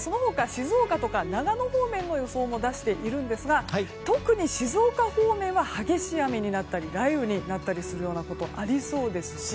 静岡や長野方面のお天気も出していますが特に静岡方面は激しい雨になったり雷雨になったりすることがありそうですし